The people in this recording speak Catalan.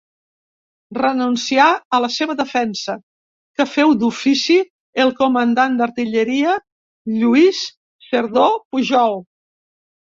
Renuncià a la seva defensa, que feu d'ofici el comandant d'artilleria Lluís Cerdó Pujol.